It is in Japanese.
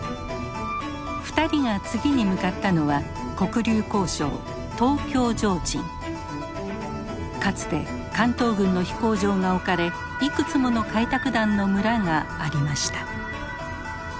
２人が次に向かったのはかつて関東軍の飛行場が置かれいくつもの開拓団の村がありました。